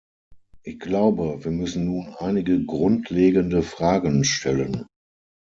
Ich glaube, wir müssen nun einige grundlegende Fragen stellen.